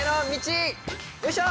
よいしょ！